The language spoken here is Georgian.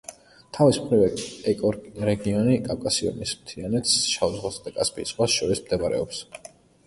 თავის მხრივ, ეკორეგიონი კავკასიონის მთიანეთს, შავ ზღვასა და კასპიის ზღვას შორის მდებარეობს.